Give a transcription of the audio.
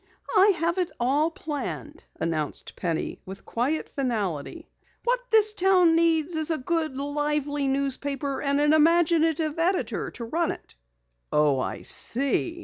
"I have it all planned," announced Penny with quiet finality. "What this town needs is a good, live newspaper, and an imaginative editor to run it." "Oh, I see."